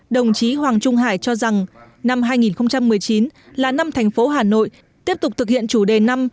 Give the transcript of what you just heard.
đồng chí hoàng trung hải cho rằng năm hai nghìn một mươi chín là năm thành phố hà nội tiếp tục thực hiện chủ đề năm